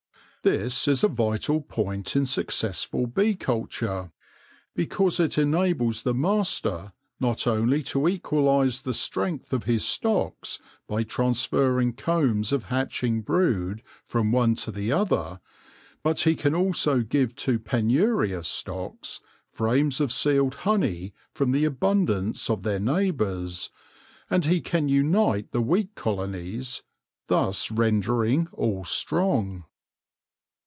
This is a vital point in successful bee culture, because it enables the master not only to equalise the strength of his stocks by transferring combs of hatching brood from one to the other ; but he can also give to penurious stocks frames of sealed honey from the abundance of their neighbours, and he can unite the weak colonies, thus rendering all strong.